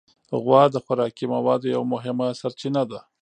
غوا د خوراکي موادو یو مهمه سرچینه ده.